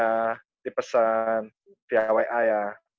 ya dipesan via wa ya